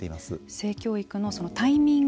性教育のタイミング